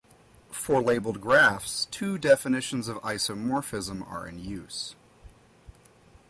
For labeled graphs, two definitions of isomorphism are in use.